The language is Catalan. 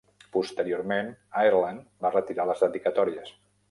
Posteriorment, Ireland va retirar les dedicatòries.